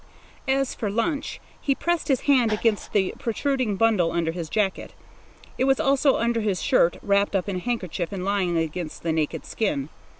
As for lunch, he pressed his hand against the protruding bundle under his jacket. It was also under his shirt, wrapped up in a handkerchief and lying against the naked skin.